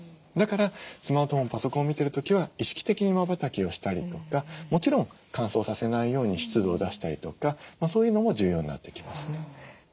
だからスマートフォンパソコンを見てる時は意識的にまばたきをしたりとかもちろん乾燥させないように湿度を出したりとかそういうのも重要になってきますね。